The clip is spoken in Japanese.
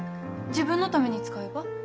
自分のために使えば？